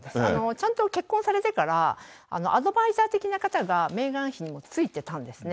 ちゃんと結婚されてからアドバイザー的な方がメーガン妃についてたんですね。